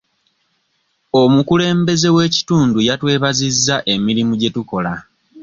Omukulembeze w'ekitundu yatwebazizza emirimu gye tukola.